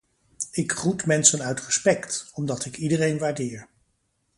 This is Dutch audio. Ik groet mensen uit respect, omdat ik iedereen waardeer.